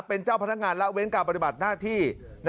เป็นเจ้าพนักงานละเว้นการปฏิบัติหน้าที่